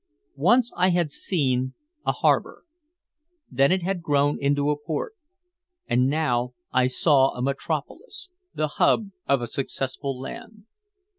Once I had seen a harbor. Then it had grown into a port. And now I saw a metropolis, the hub of a successful land.